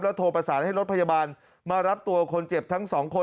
โทรประสานให้รถพยาบาลมารับตัวคนเจ็บทั้งสองคน